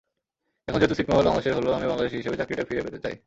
এখন যেহেতু ছিটমহল বাংলাদেশের হলো, আমিও বাংলাদেশি হিসেবে চাকরিটা ফিরে পেতে চাই।